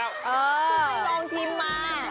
เออไม่ลองชิมมา